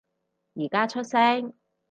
而家出聲